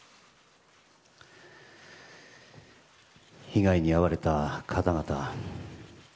被害に遭われた方々